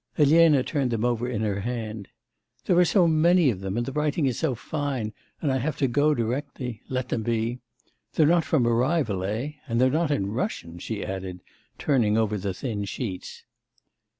Elena turned them over in her hand. 'There are so many of them, and the writing is so fine, and I have to go directly... let them be. They're not from a rival, eh?... and they're not in Russian,' she added, turning over the thin sheets.